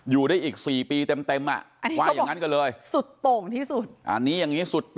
อยู่ได้อีก๔ปีเต็มไปสุดต่งที่สุด